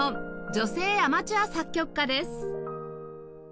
女性アマチュア作曲家」です